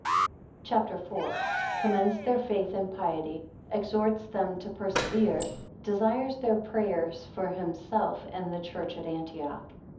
CHAPTER IV. 1 Commends their faith and piety; exhorts them to persevere; 10 desires their prayers for himself and the church at Antioch.